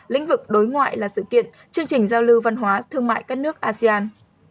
lĩnh vực đối ngoại là sự kiện chương trình giao lưu văn hóa thương mại các nước asean